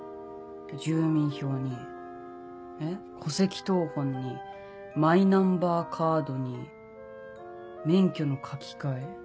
住民票に戸籍謄本にマイナンバーカードに免許の書き換え。